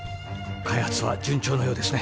開発は順調のようですね。